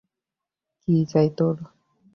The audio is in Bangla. কি চাই তোর?